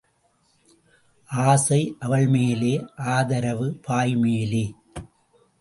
ஆசை அவள் மேலே ஆதரவு பாய் மேலே.